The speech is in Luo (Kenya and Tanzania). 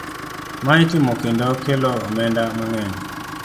Ma itimo kendo kelo omenda mang'eny.